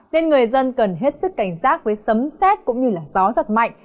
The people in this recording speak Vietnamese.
nên người dân cần hết sức cảnh giác với sấm xét cũng như gió giật mạnh